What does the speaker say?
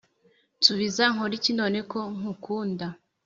nsubiza nkoriki none ko nkukunda